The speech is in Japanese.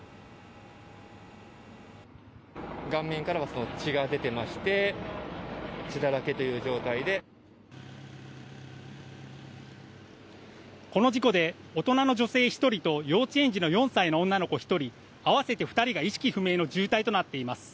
顔面からは血が出てまして、この事故で、大人の女性１人と幼稚園児の４歳の女の子１人、合わせて２人が意識不明の重体となっています。